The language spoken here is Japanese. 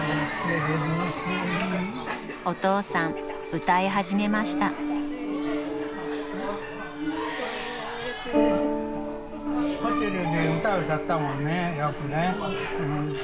［お父さん歌い始めました］よくね。